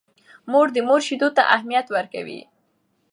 مور د مور شیدو ته اهمیت ورکوي.